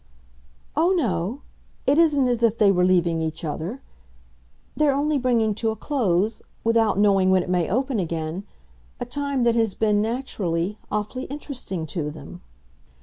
"Oh no; it isn't as if they were leaving each other. They're only bringing to a close without knowing when it may open again a time that has been, naturally, awfully interesting to them."